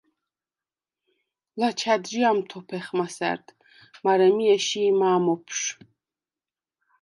ლაჩა̈დჟი ამთოფეხ მასა̈რდ, მარე მი ეში̄ მა̄მ ოფშუ̂.